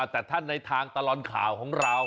แต่ท่านในทางตลอดข่าวของเรา